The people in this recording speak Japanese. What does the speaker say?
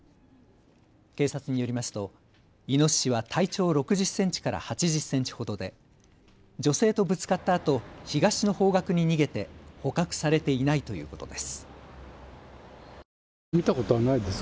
警察によりますとイノシシは体長６０センチから８０センチほどで女性とぶつかったあと東の方角に逃げて捕獲されていないということです。